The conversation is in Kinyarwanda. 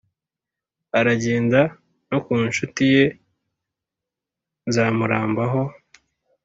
aragenda no ku nshuti ye nzamurambaho.